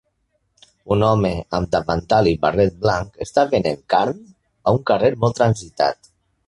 Un home amb davantal i barret blanc està venent carn a un carrer molt transitat.